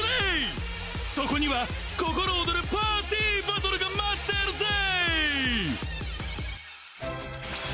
そこにはココロオドルパーティーバトルが待ってるぜー！